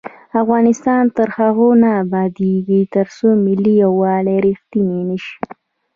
افغانستان تر هغو نه ابادیږي، ترڅو ملي یووالی رښتینی نشي.